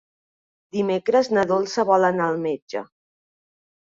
Dimecres na Dolça vol anar al metge.